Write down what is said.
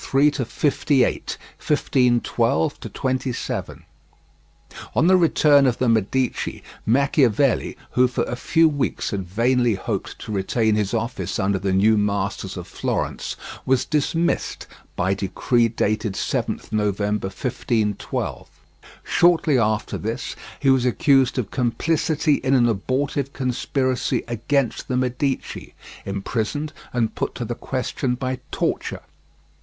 43 58—1512 27 On the return of the Medici, Machiavelli, who for a few weeks had vainly hoped to retain his office under the new masters of Florence, was dismissed by decree dated 7th November 1512. Shortly after this he was accused of complicity in an abortive conspiracy against the Medici, imprisoned, and put to the question by torture.